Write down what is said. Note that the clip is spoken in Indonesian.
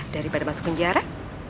daripada masuk penjara